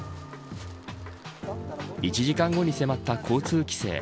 １時間後に迫った交通規制。